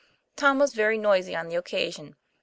Tom was very noisy on the occasion.